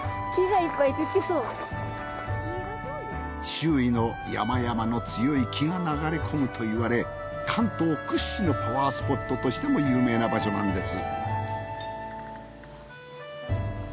周囲の山々の強い気が流れ込むといわれ関東屈指のパワースポットとしても有名な場所なんです